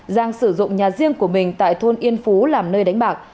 giang sử dụng nhà riêng của mình tại thôn yên phú làm nơi đánh bạc